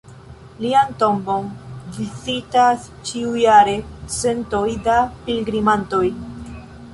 Lian tombon vizitas ĉiujare centoj da pilgrimantoj.